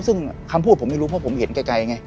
ซึ่งคำพูดผมไม่รู้เพราะผมเห็นไกลไง